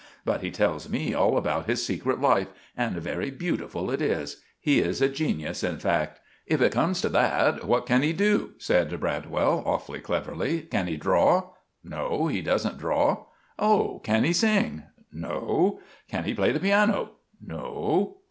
But he tells me all about his secret life, and very butiful it is. He is a jenius, in fact." "If it comes to that, what can he do?" said Bradwell, awfully clevverly. "Can he draw?" "No, he doesn't draw." "Oh! can he sing?" "No." "Can he play the piano?" "No."